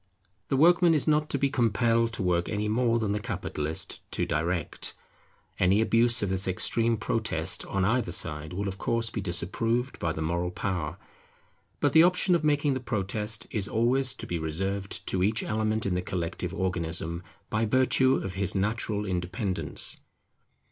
The workman is not to be compelled to work any more than the capitalist to direct. Any abuse of this extreme protest on either side will of course be disapproved by the moral power; but the option of making the protest is always to be reserved to each element in the collective organism, by virtue of his natural independence.